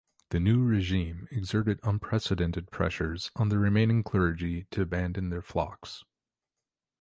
The new regime exerted unprecedented pressures on the remaining clergy to abandon their flocks.